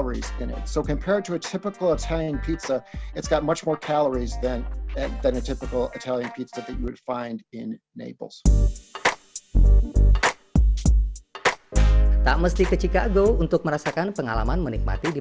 pemilik restoran telah menawarkan ukuran pizza yang tersebut tidak terlalu tebal